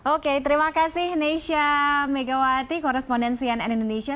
oke terima kasih neysha megawati korespondensian n indonesia